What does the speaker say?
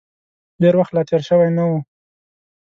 ډېر وخت لا تېر شوی نه و.